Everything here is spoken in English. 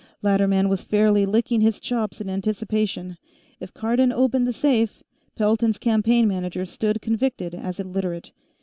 Latterman was fairly licking his chops in anticipation. If Cardon opened the safe, Pelton's campaign manager stood convicted as a Literate.